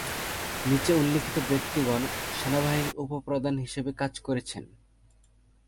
নিচে উল্লিখিত ব্যক্তিগণ সেনাবাহিনীর উপ-প্রধান হিসাবে কাজ করেছেন।